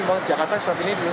memang jakarta saat ini